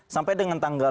sampai dengan tanggal lima